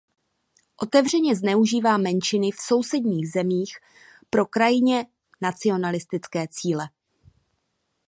Otevřeně zneužívá menšiny v sousedních zemích pro krajně nacionalistické cíle.